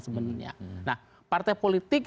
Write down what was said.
sebenarnya nah partai politik